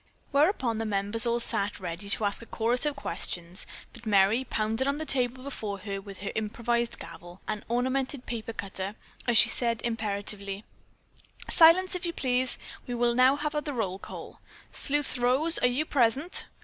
Whereupon the members all sat up ready to ask a chorus of questions, but Merry pounded on the table before her with her improvised gavel, an ornamented paper cutter, as she said imperatively: "Silence, if you please! We will now have the roll call. Sleuth Rose, are you present?"